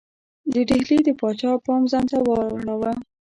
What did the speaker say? د ډهلي د پاچا پام ځانته واړاوه.